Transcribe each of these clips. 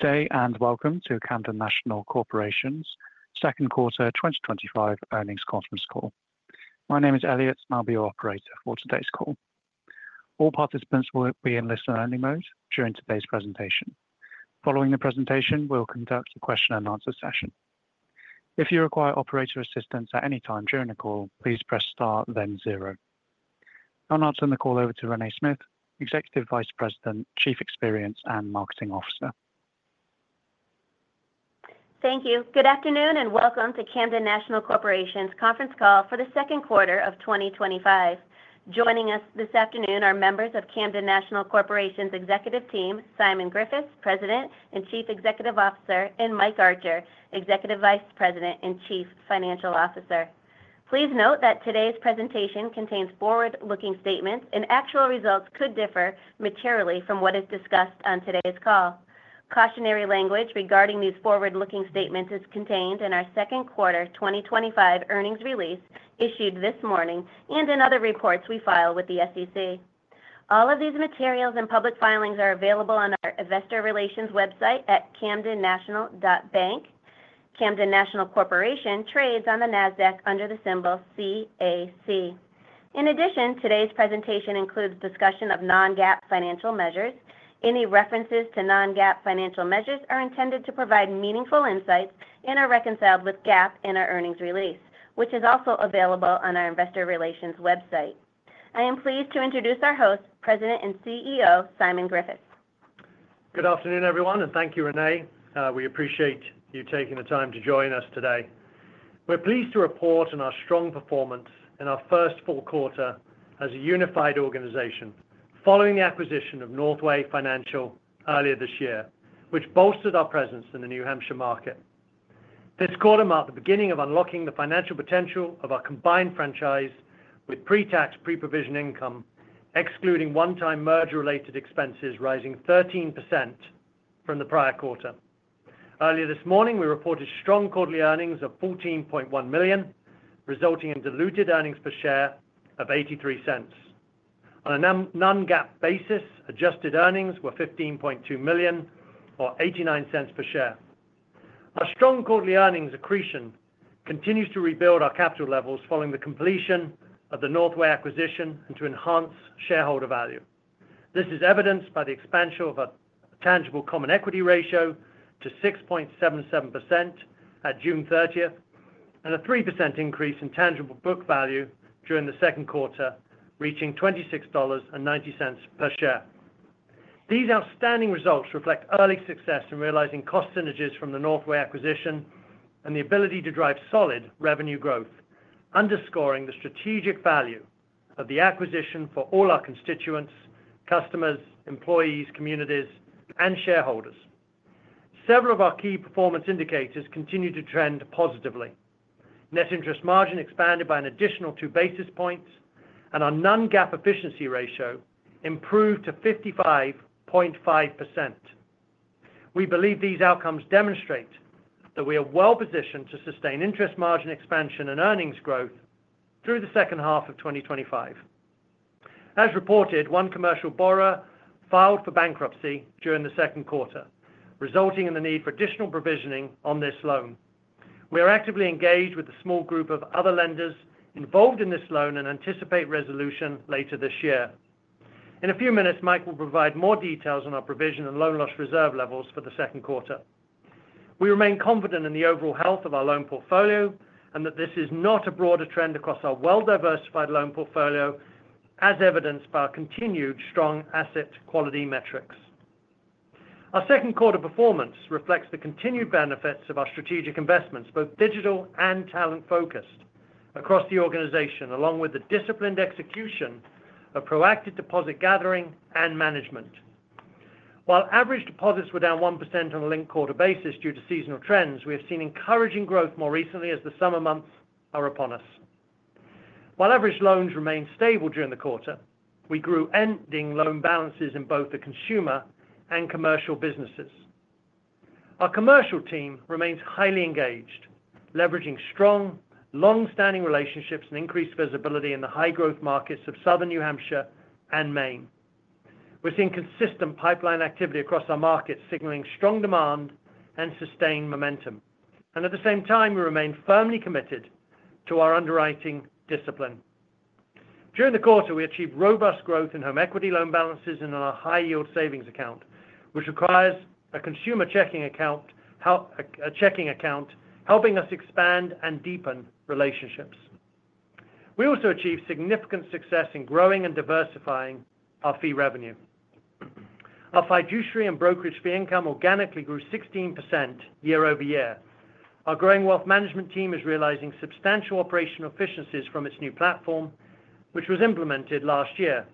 Today, and welcome to Camden National Corporation's second quarter 2025 earnings conference call. My name is Elliot, and I'll be your operator for today's call. All participants will be in listen-only mode during today's presentation. Following the presentation, we'll conduct a question and answer session. If you require operator assistance at any time during the call, please press star, then zero. Now, I'll turn the call over to Renée Smyth, Executive Vice President, Chief Experience and Marketing Officer. Thank you. Good afternoon and welcome to Camden National Corporation's conference call for the second quarter of 2025. Joining us this afternoon are members of Camden National Corporation's executive team, Simon Griffiths, President and Chief Executive Officer, and Mike Archer, Executive Vice President and Chief Financial Officer. Please note that today's presentation contains forward-looking statements, and actual results could differ materially from what is discussed on today's call. Cautionary language regarding these forward-looking statements is contained in our second quarter 2025 earnings release issued this morning and in other reports we file with the SEC. All of these materials and public filings are available on our investor relations website at camdennational.bank. Camden National Corporation trades on the NASDAQ under the symbol CAC. In addition, today's presentation includes discussion of non-GAAP financial measures. Any references to non-GAAP financial measures are intended to provide meaningful insights and are reconciled with GAAP in our earnings release, which is also available on our investor relations website. I am pleased to introduce our host, President and CEO, Simon Griffiths. Good afternoon, everyone, and thank you, Renée. We appreciate you taking the time to join us today. We're pleased to report on our strong performance in our first full quarter as a unified organization following the acquisition of Northway Financial earlier this year, which bolstered our presence in the New Hampshire market. This quarter marked the beginning of unlocking the financial potential of our combined franchise with pre-tax, pre-provision income, excluding one-time merger-related expenses, rising 13% from the prior quarter. Earlier this morning, we reported strong quarterly earnings of $14.1 million, resulting in diluted earnings per share of $0.83. On a non-GAAP basis, adjusted earnings were $15.2 million, or $0.89 per share. Our strong quarterly earnings accretion continues to rebuild our capital levels following the completion of the Northway acquisition and to enhance shareholder value. This is evidenced by the expansion of our tangible common equity ratio to 6.77% at June 30 and a 3% increase in tangible book value during the second quarter, reaching $26.90 per share. These outstanding results reflect early success in realizing cost synergies from the Northway acquisition and the ability to drive solid revenue growth, underscoring the strategic value of the acquisition for all our constituents, customers, employees, communities, and shareholders. Several of our key performance indicators continue to trend positively. Net interest margin expanded by an additional two basis points, and our non-GAAP efficiency ratio improved to 55.5%. We believe these outcomes demonstrate that we are well positioned to sustain interest margin expansion and earnings growth through the second half of 2025. As reported, one commercial borrower filed for bankruptcy during the second quarter, resulting in the need for additional provisioning on this loan. We are actively engaged with a small group of other lenders involved in this loan and anticipate resolution later this year. In a few minutes, Mike will provide more details on our provision and loan loss reserve levels for the second quarter. We remain confident in the overall health of our loan portfolio and that this is not a broader trend across our well-diversified loan portfolio, as evidenced by our continued strong asset quality metrics. Our second quarter performance reflects the continued benefits of our strategic investments, both digital and talent-focused, across the organization, along with the disciplined execution of proactive deposit gathering and management. While average deposits were down 1% on a linked quarter basis due to seasonal trends, we have seen encouraging growth more recently as the summer months are upon us. While average loans remained stable during the quarter, we grew ending loan balances in both the consumer and commercial businesses. Our commercial team remains highly engaged, leveraging strong, long-standing relationships and increased visibility in the high-growth markets of Southern New Hampshire and Maine. We are seeing consistent pipeline activity across our markets, signaling strong demand and sustained momentum. At the same time, we remain firmly committed to our underwriting discipline. During the quarter, we achieved robust growth in home equity loan balances and in our high-yield savings accounts, which require a consumer checking account, helping us expand and deepen relationships. We also achieved significant success in growing and diversifying our fee revenue. Our fiduciary and brokerage fee income organically grew 16% year over year. Our growing wealth management team is realizing substantial operational efficiencies from its new platform, which was implemented last year.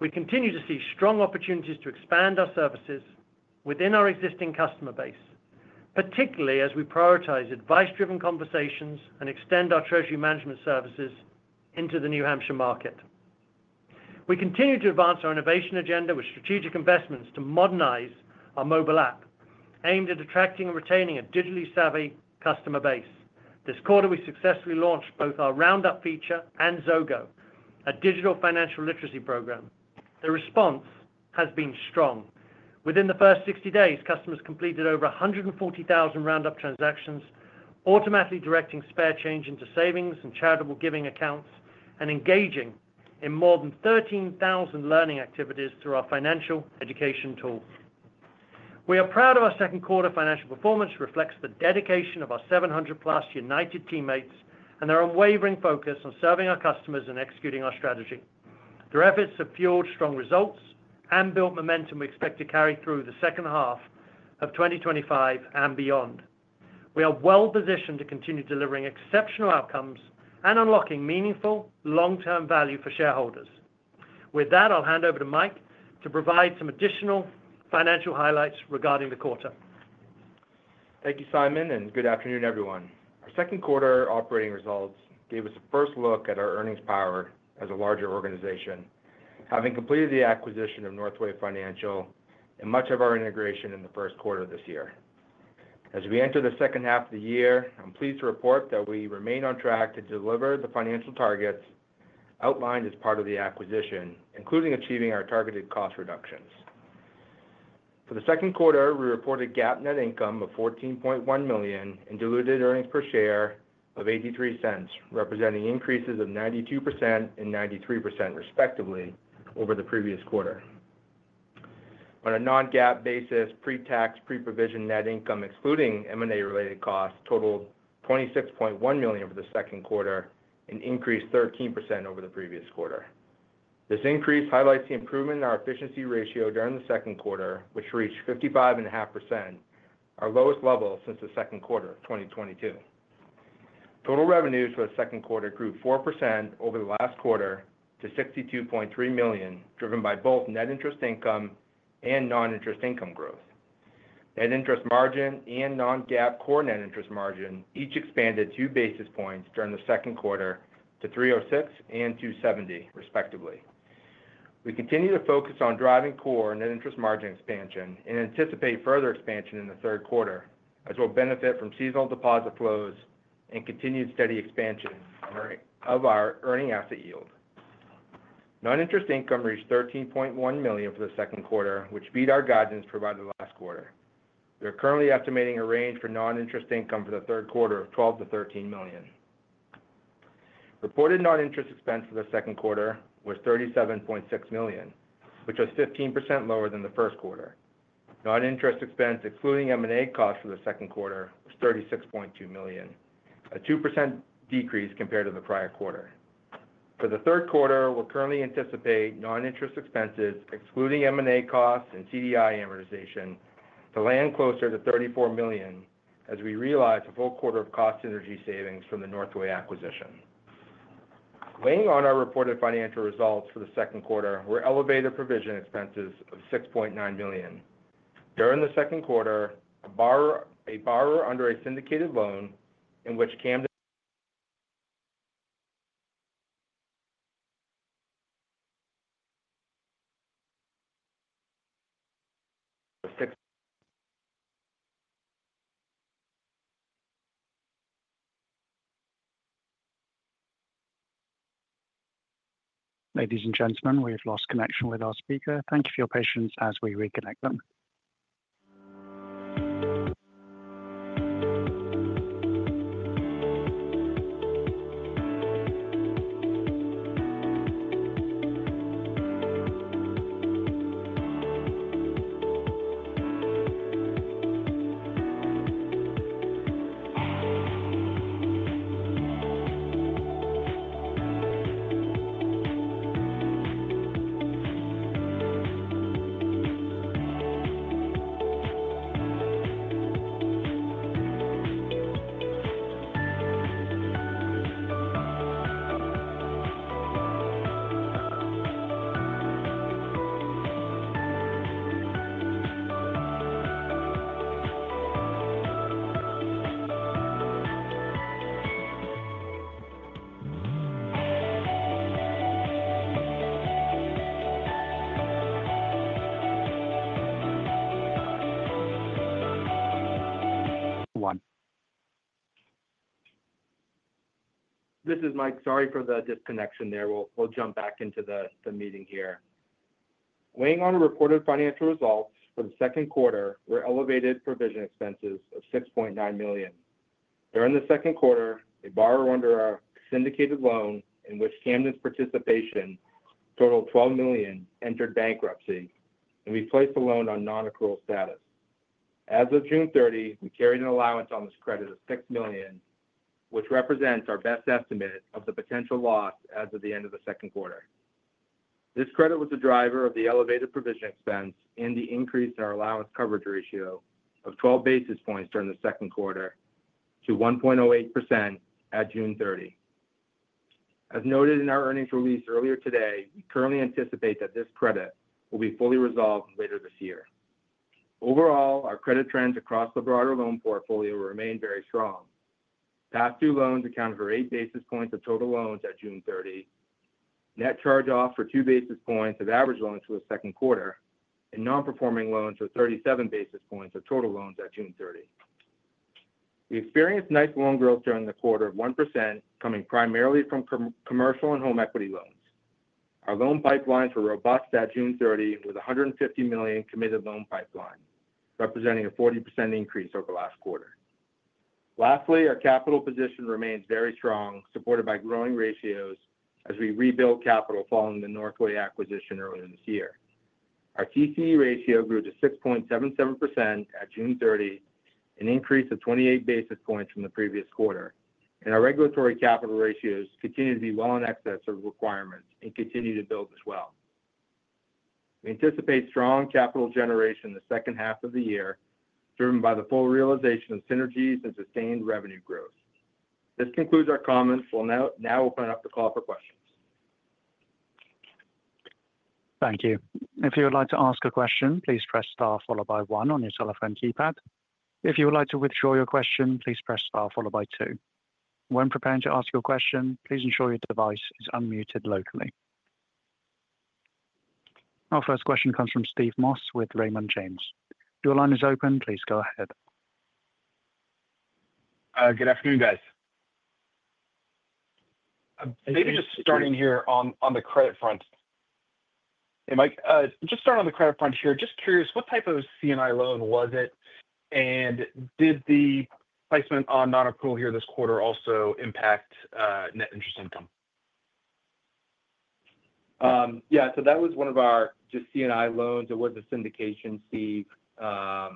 We continue to see strong opportunities to expand our services within our existing customer base, particularly as we prioritize advice-driven conversations and extend our treasury management services into the New Hampshire market. We continue to advance our innovation agenda with strategic investments to modernize our mobile app, aimed at attracting and retaining a digitally savvy customer base. This quarter, we successfully launched both our Round Up feature and Zogo, a digital financial literacy program. The response has been strong. Within the first 60 days, customers completed over 140,000 Round Up transactions, automatically directing spare change into savings and charitable giving accounts, and engaging in more than 13,000 learning activities through our financial education tool. We are proud of our second quarter financial performance, which reflects the dedication of our 700-plus united teammates and their unwavering focus on serving our customers and executing our strategy. Their efforts have fueled strong results and built momentum we expect to carry through the second half of 2025 and beyond. We are well positioned to continue delivering exceptional outcomes and unlocking meaningful long-term value for shareholders. With that, I'll hand over to Mike to provide some additional financial highlights regarding the quarter. Thank you, Simon, and good afternoon, everyone. Our second quarter operating results gave us a first look at our earnings power as a larger organization, having completed the acquisition of Northway Financial and much of our integration in the first quarter of this year. As we enter the second half of the year, I'm pleased to report that we remain on track to deliver the financial targets outlined as part of the acquisition, including achieving our targeted cost reductions. For the second quarter, we reported GAAP net income of $14.1 million and diluted earnings per share of $0.83, representing increases of 92% and 93%, respectively, over the previous quarter. On a non-GAAP basis, pre-tax, pre-provision net income, excluding merger-related expenses, totaled $26.1 million for the second quarter and increased 13% over the previous quarter. This increase highlights the improvement in our efficiency ratio during the second quarter, which reached 55.5%, our lowest level since the second quarter of 2022. Total revenues for the second quarter grew 4% over the last quarter to $62.3 million, driven by both net interest income and non-interest income growth. Net interest margin and non-GAAP core net interest margin each expanded two basis points during the second quarter to 3.06% and 2.70%, respectively. We continue to focus on driving core net interest margin expansion and anticipate further expansion in the third quarter, as we'll benefit from seasonal deposit flows and continued steady expansion of our earning asset yield. Non-interest income reached $13.1 million for the second quarter, which beat our guidance provided last quarter. We are currently estimating a range for non-interest income for the third quarter of $12 million to $13 million. Reported non-interest expense for the second quarter was $37.6 million, which was 15% lower than the first quarter. Non-interest expense, excluding merger-related expenses for the second quarter, was $36.2 million, a 2% decrease compared to the prior quarter. For the third quarter, we currently anticipate non-interest expenses, excluding merger-related expenses and CDI amortization, to land closer to $34 million, as we realize a full quarter of cost synergy savings from the Northway Financial acquisition. Weighing on our reported financial results for the second quarter were elevated provision expenses of $6.9 million. During the second quarter, a borrower under a syndicated loan in which Camden... Ladies and gentlemen, we have lost connection with our speaker. Thank you for your patience as we reconnect them. This is Mike. Sorry for the disconnection there. We'll jump back into the meeting here. Weighing on the reported financial results for the second quarter, we're elevated provision expenses of $6.9 million. During the second quarter, a borrower under a syndicated loan in which Camden's participation totaled $12 million entered bankruptcy, and we placed the loan on non-accrual status. As of June 30, we carried an allowance on this credit of $6 million, which represents our best estimate of the potential loss as of the end of the second quarter. This credit was the driver of the elevated provision expense and the increase in our allowance coverage ratio of 12 basis points during the second quarter to 1.08% at June 30. As noted in our earnings release earlier today, we currently anticipate that this credit will be fully resolved later this year. Overall, our credit trends across the broader loan portfolio remain very strong. Past due loans account for 8 basis points of total loans at June 30, net charge-off for 2 basis points of average loans for the second quarter, and non-performing loans for 37 basis points of total loans at June 30. We experienced nice loan growth during the quarter of 1%, coming primarily from commercial and home equity loans. Our loan pipelines were robust at June 30, with $150 million committed loan pipeline, representing a 40% increase over the last quarter. Lastly, our capital position remains very strong, supported by growing ratios as we rebuild capital following the Northway Financial acquisition earlier this year. Our tangible common equity ratio grew to 6.77% at June 30, an increase of 28 basis points from the previous quarter, and our regulatory capital ratios continue to be well in excess of requirements and continue to build as well. We anticipate strong capital generation in the second half of the year, driven by the full realization of synergies and sustained revenue growth. This concludes our comments. We'll now open it up to the call for questions. Thank you. If you would like to ask a question, please press star followed by one on your telephone keypad. If you would like to withdraw your question, please press star followed by two. When preparing to ask your question, please ensure your device is unmuted locally. Our first question comes from Steve Moss with Raymond James. Your line is open. Please go ahead. Good afternoon, guys. Maybe just starting here on the credit front. Hey, Mike. Just starting on the credit front here, just curious, what type of C&I loan was it? Did the placement on non-accrual here this quarter also impact net interest income? Yeah. That was one of our C&I loans. It was a syndication, Steve. As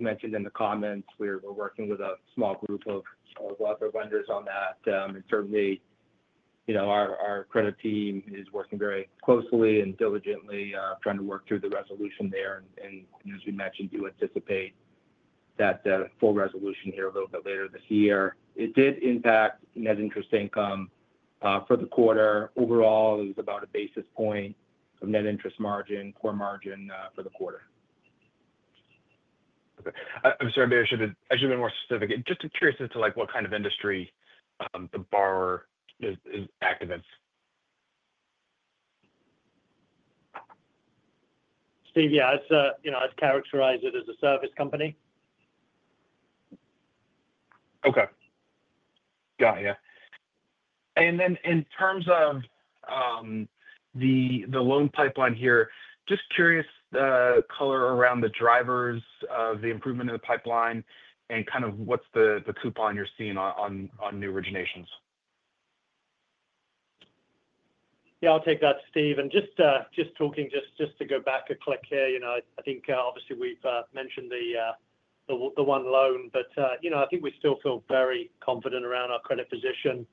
mentioned in the comments, we're working with a small group of vendors on that. Certainly, our credit team is working very closely and diligently trying to work through the resolution there. As we mentioned, you anticipate that full resolution here a little bit later this year. It did impact net interest income for the quarter. Overall, it was about a basis point of net interest margin, core margin for the quarter. I'm sorry, maybe I should have been more specific. Just curious as to what kind of industry the borrower is active in. Steve, yeah, I'd characterize it as a service company. Got you. In terms of the loan pipeline here, just curious the color around the drivers of the improvement in the pipeline and kind of what's the coupon you're seeing on new originations? I'll take that, Steve. Just to go back a click here, I think obviously we've mentioned the one loan, but I think we still feel very confident around our credit position.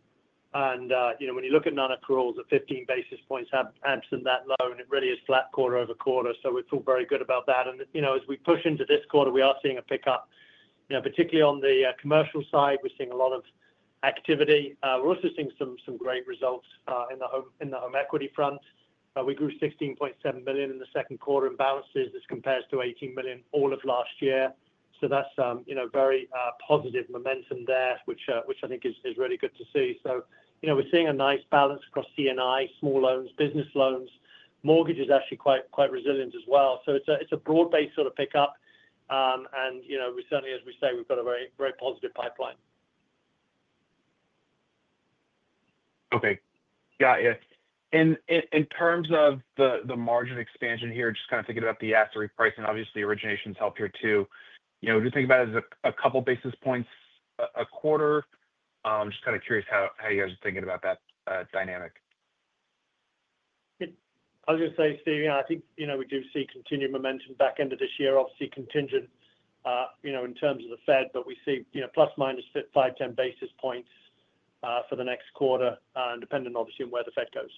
When you look at non-accruals, at 15 basis points absent that loan, it really is flat quarter over quarter. We feel very good about that. As we push into this quarter, we are seeing a pickup, particularly on the commercial side. We're seeing a lot of activity. We're also seeing some great results in the home equity front. We grew $16.7 million in the second quarter in balances. This compares to $18 million all of last year. That's very positive momentum there, which I think is really good to see. We're seeing a nice balance across C&I, small loans, business loans, mortgages actually quite resilient as well. It's a broad-based sort of pickup. We certainly, as we say, have got a very, very positive pipeline. Okay. Got you. In terms of the margin expansion here, just kind of thinking about the asset repricing, obviously originations help here too. We do think about it as a couple basis points a quarter. Just kind of curious how you guys are thinking about that dynamic. I was going to say, Steve, I think we do see continued momentum back end of this year. Obviously, contingent in terms of the Fed, but we see plus minus 5, 10 basis points for the next quarter, dependent obviously on where the Fed goes.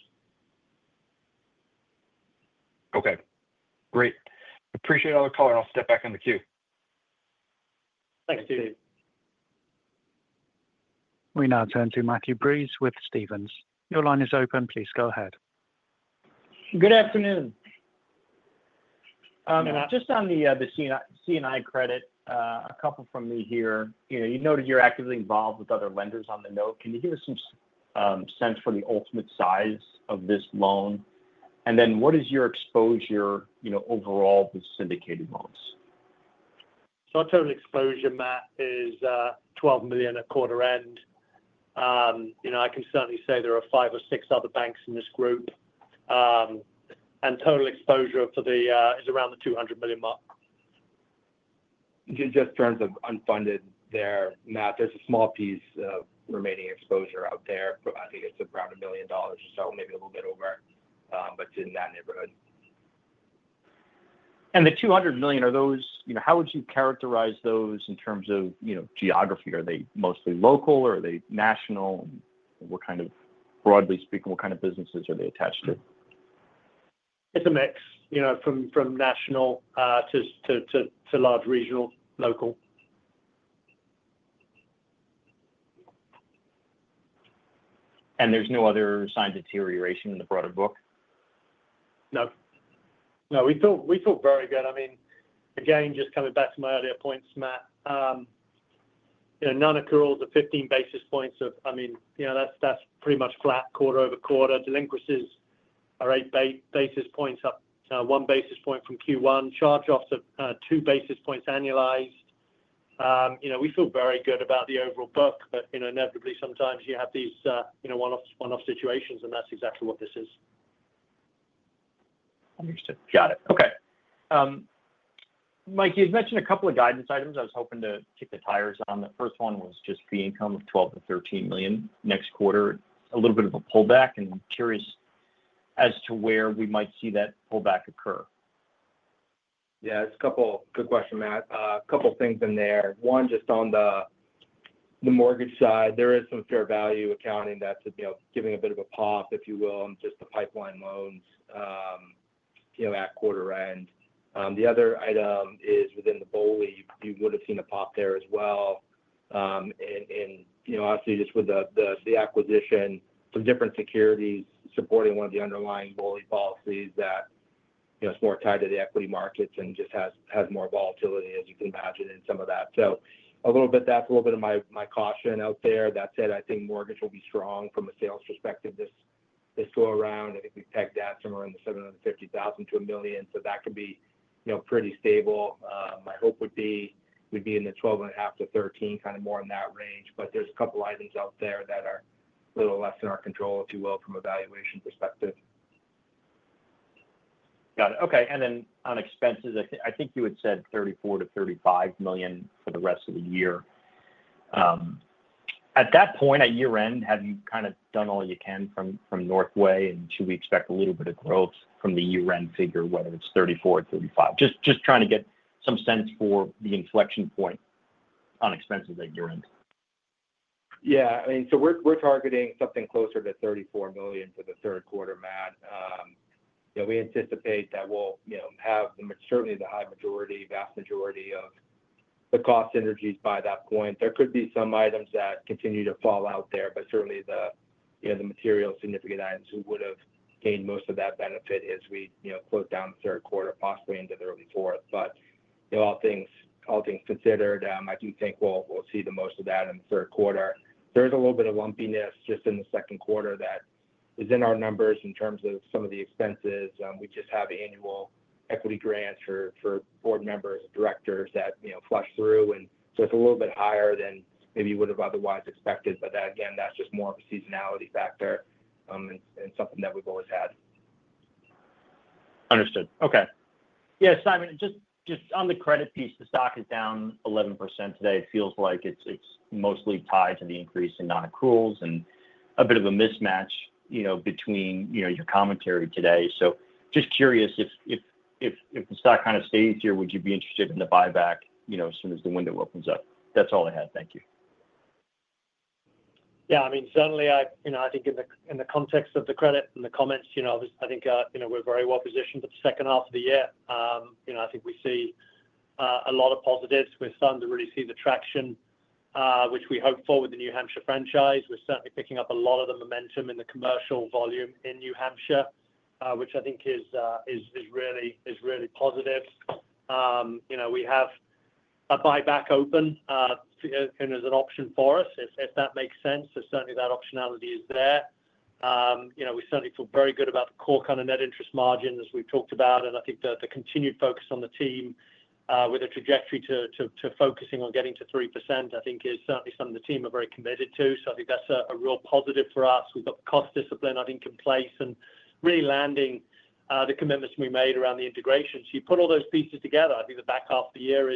Okay. Great. Appreciate all the color. I'll step back in the queue. Thanks, Steve. We now turn to Matthew Breese with Stephens. Your line is open. Please go ahead. Good afternoon. Just on the C&I credit, a couple from me here, you noted you're actively involved with other lenders on the note. Can you give us some sense for the ultimate size of this loan? What is your exposure overall with syndicated loans? Our total exposure, Matt, is $12 million at quarter end. I can certainly say there are five or six other banks in this group. Total exposure for the group is around the $200 million mark. Just in terms of unfunded there, Matt, there's a small piece of remaining exposure out there. I think it's around $1 million or so. Maybe it will get over, but it's in that neighborhood. The $200 million, are those, you know, how would you characterize those in terms of, you know, geography? Are they mostly local or are they national? What kind of, broadly speaking, what kind of businesses are they attached to? It's a mix, you know, from national to large regional, local. Is there no other sign of deterioration in the broader book? No, we feel very good. I mean, again, just coming back to my earlier points, Matt, non-accruals are 15 basis points, that's pretty much flat quarter over quarter. Delinquencies are 8 basis points, up 1 basis point from Q1. Charge-offs are 2 basis points annualized. We feel very good about the overall book, but inevitably, sometimes you have these one-off situations, and that's exactly what this is. Understood. Got it. Okay. Mike, you had mentioned a couple of guidance items I was hoping to kick the tires on. The first one was just the income of $12 million to $13 million next quarter, a little bit of a pullback. I'm curious as to where we might see that pullback occur. Yeah, it's a couple of good questions, Matt. A couple of things in there. One, just on the mortgage side, there is some fair value accounting that's giving a bit of a pop, if you will, on just the pipeline loans at quarter end. The other item is within the BOLI, you would have seen a pop there as well. Obviously, just with the acquisition from different securities supporting one of the underlying BOLI policies, it's more tied to the equity markets and just has more volatility, as you can imagine, in some of that. That's a little bit of my caution out there. That said, I think mortgage will be strong from a sales perspective this go around. I think we pegged that somewhere in the $750,000 to $1 million. That could be pretty stable. My hope would be we'd be in the $12.5 million-$13 million, kind of more in that range. There's a couple of items out there that are a little less in our control, if you will, from a valuation perspective. Got it. Okay. On expenses, I think you had said $34 million-$35 million for the rest of the year. At that point, at year-end, have you kind of done all you can from Northway, and do we expect a little bit of growth from the year-end figure, whether it's $34 million-$35 million? Just trying to get some sense for the inflection point on expenses at year-end. Yeah, I mean, we're targeting something closer to $34 million for the third quarter, Matt. We anticipate that we'll have certainly the high majority, vast majority of the cost synergies by that point. There could be some items that continue to fall out there, but certainly the material significant items, we would have gained most of that benefit as we close down the third quarter, possibly into the early fourth. All things considered, I do think we'll see most of that in the third quarter. There is a little bit of lumpiness just in the second quarter that is in our numbers in terms of some of the expenses. We just have annual equity grants for board members and directors that flush through, so it's a little bit higher than maybe you would have otherwise expected. That, again, is just more of a seasonality factor and something that we've always had. Understood. Okay. Simon, just on the credit piece, the stock is down 11% today. It feels like it's mostly tied to the increase in non-accruals and a bit of a mismatch between your commentary today. Just curious if the stock kind of stays here, would you be interested in the buyback as soon as the window opens up? That's all I had. Thank you. Yeah, I mean, certainly, I think in the context of the credit and the comments, I think we're very well positioned for the second half of the year. I think we see a lot of positives. We're starting to really see the traction, which we hope for with the New Hampshire franchise. We're certainly picking up a lot of the momentum in the commercial volume in New Hampshire, which I think is really positive. We have a buyback open and as an option for us, if that makes sense. Certainly that optionality is there. We certainly feel very good about the core kind of net interest margin, as we've talked about. I think that the continued focus on the team with a trajectory to focusing on getting to 3% is certainly something the team are very committed to. I think that's a real positive for us. We've got cost discipline in place and really landing the commitments we made around the integration. You put all those pieces together, I think the back half of the year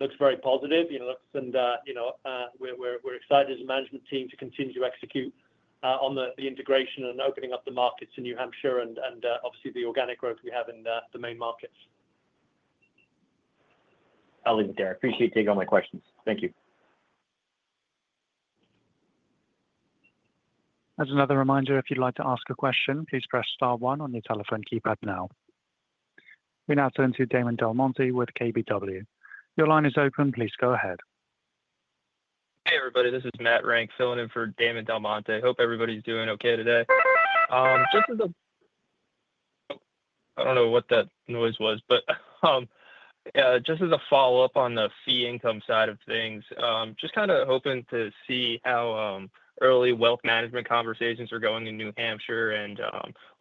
looks very positive. We're excited as a management team to continue to execute on the integration and opening up the markets in New Hampshire and obviously the organic growth we have in the Maine markets. I'll end it there. I appreciate you taking all my questions. Thank you. As another reminder, if you'd like to ask a question, please press star one on your telephone keypad now. We now turn to Damon DelMonte with KBW. Your line is open. Please go ahead. Hey everybody, this is Matt Rank filling in for Damon DelMonte. Hope everybody's doing okay today. Just as a follow-up on the fee income side of things, just kind of hoping to see how early wealth management conversations are going in New Hampshire and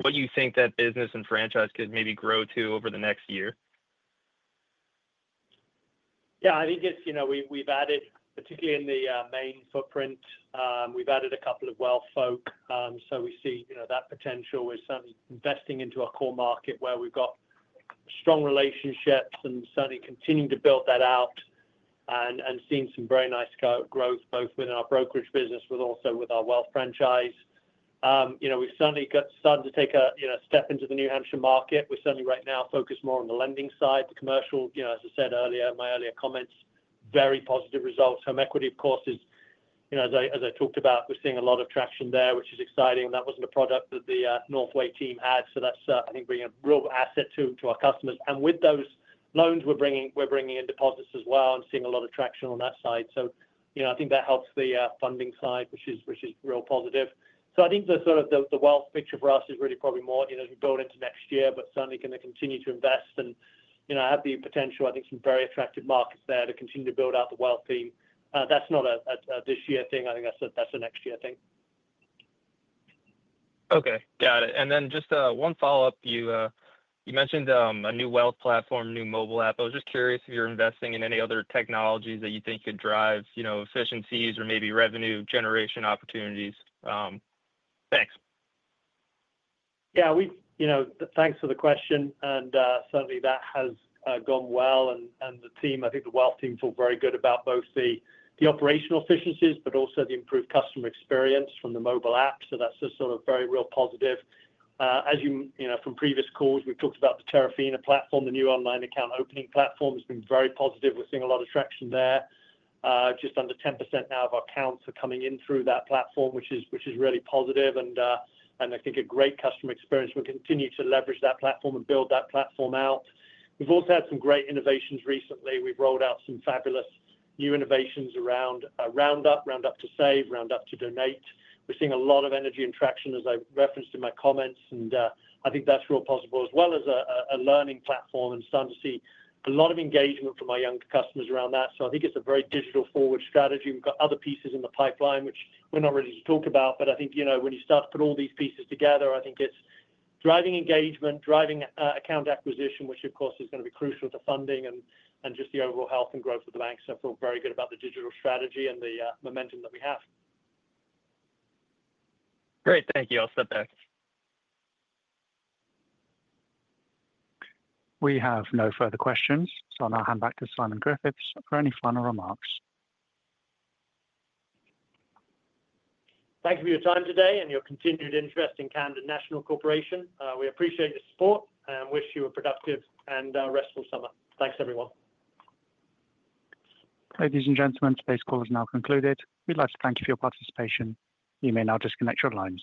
what you think that business and franchise could maybe grow to over the next year. Yeah, I think it's, you know, we've added, particularly in the Maine footprint, we've added a couple of wealth folk. We see, you know, that potential. We're certainly investing into our core market where we've got strong relationships and certainly continuing to build that out and seeing some very nice growth both within our brokerage services business, but also with our wealth franchise. We've certainly started to take a step into the New Hampshire market. We're certainly right now focused more on the lending side, the commercial, you know, as I said earlier, my earlier comments, very positive results. Home equity loans, of course, as I talked about, we're seeing a lot of traction there, which is exciting. That wasn't a product that the Northway Financial team had. That's, I think, bringing a real asset to our customers. With those loans, we're bringing in deposits as well and seeing a lot of traction on that side. I think that helps the funding side, which is real positive. I think the sort of the wealth picture for us is really probably more, you know, as we build into next year, but certainly going to continue to invest and, you know, have the potential, I think, some very attractive markets there to continue to build out the wealth team. That's not a this year thing. I think that's a next year thing. Okay. Got it. Just one follow-up. You mentioned a new wealth platform, new mobile app. I was just curious if you're investing in any other technologies that you think could drive efficiencies or maybe revenue generation opportunities. Thanks. Yeah, thanks for the question. Certainly that has gone well. The team, I think the wealth team felt very good about both the operational efficiencies and the improved customer experience from the mobile app. That's a very real positive. As you know from previous calls, we've talked about the Terafina platform, the new online account opening platform. It's been very positive. We're seeing a lot of traction there. Just under 10% now of our accounts are coming in through that platform, which is really positive. I think a great customer experience. We'll continue to leverage that platform and build that platform out. We've also had some great innovations recently. We've rolled out some fabulous new innovations around Round Up, Round Up to save, Round Up to donate. We're seeing a lot of energy and traction, as I referenced in my comments. I think that's real positive, as well as a learning platform. Starting to see a lot of engagement from our young customers around that. I think it's a very digital-forward strategy. We've got other pieces in the pipeline, which we're not ready to talk about. I think when you start to put all these pieces together, it's driving engagement, driving account acquisition, which, of course, is going to be crucial to funding and just the overall health and growth of the bank. I feel very good about the digital strategy and the momentum that we have. Great. Thank you. I'll set that. We have no further questions, so I'll now hand back to Simon Griffiths for any final remarks. Thank you for your time today and your continued interest in Camden National Corporation. We appreciate your support and wish you a productive and restful summer. Thanks, everyone. Ladies and gentlemen, today's call is now concluded. We'd like to thank you for your participation. You may now disconnect your lines.